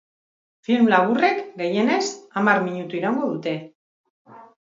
Film laburrek, gehienez, hamar minutu iraungo dute.